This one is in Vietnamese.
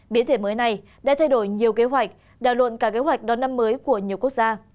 biến thể mới này đã thay đổi nhiều kế hoạch đào luận cả kế hoạch đón năm mới của nhiều quốc gia